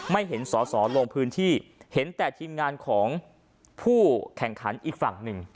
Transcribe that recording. ไม่เห็นสอสอลงพื้นที่เห็นแต่ทีมงานของผู้แข่งขันอีกฝั่งหนึ่ง